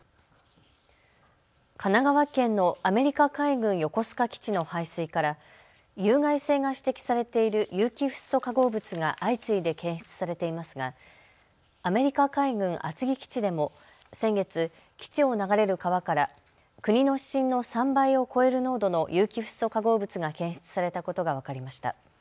神奈川県のアメリカ海軍横須賀基地の排水から有害性が指摘されている有機フッ素化合物が相次いで検出されていますがアメリカ海軍厚木基地でも先月、基地を流れる川から国の指針の３倍を超える濃度の有機フッ素化合物が検出されたことが分かりました。